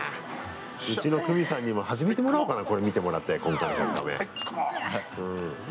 うちの久美さんにも始めてもらおうかな、これ見てもらって今回の「１００カメ」。